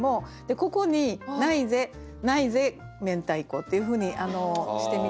ここに「ないぜないぜ明太子」っていうふうにしてみては。